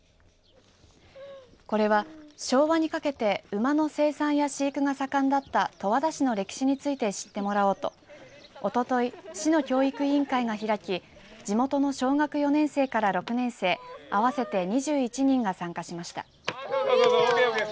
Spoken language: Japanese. これは昭和にかけて馬の生産や飼育が盛んだった十和田市の歴史について知ってもらおうとおととい市の教育委員会が開き地元の小学４年生から６年生合わせて２１人が参加しました。